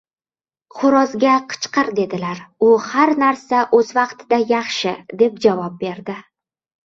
• Xo‘rozga “qichqir” dedilar. U “har narsa o‘z vaqtida yaxshi” deb javob berdi.